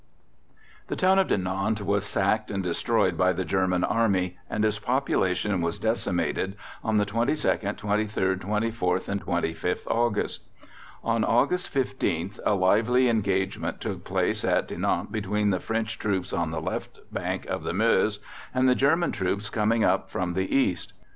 The town of Dinant was sacked and destroyed by the German Army, and its population was decimated on the 22nd, 23rd, 24th and 25th August. On August 15th a lively engagement took place at Dinant between the French troops on the left bank of the Meuse and the German troops coming up from the East.